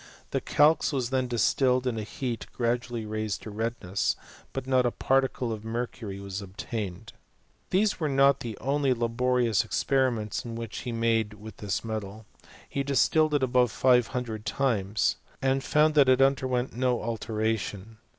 The calx was then distilled in a heat gradually raised to redness ; but not a particle of mercury was obtained.* These were not the only laborious experiments which he made with this metal. He distilled it above five hundred times, and found that it underwent no altera tion.